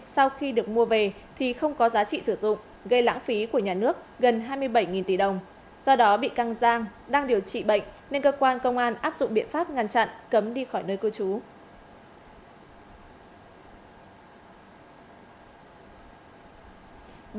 sau khi được mua về thì không có giá trị sử dụng gây lãng phí của nhà nước gần hai mươi bảy tỷ đồng do đó bị căng giang đang điều trị bệnh nên cơ quan công an áp dụng biện pháp ngăn chặn cấm đi khỏi nơi cư trú